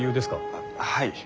はい。